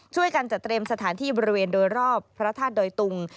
ช่วยกันจัดเตรียมสถานที่บริเวณโดยรอบพระธาตุดอยตุง